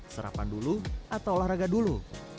serapan dulu atau olahraga dulu